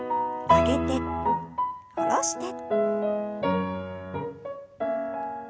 上げて下ろして。